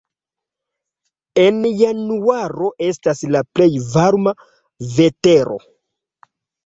En januaro estas la plej varma vetero.